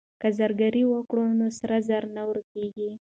که زرګري وکړو نو سرو زرو نه ورکيږي.